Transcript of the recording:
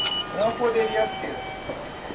Não poderia ser